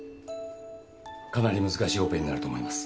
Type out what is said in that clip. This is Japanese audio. かなり難しいオペになると思います。